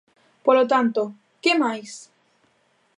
Polo tanto, ¿que máis?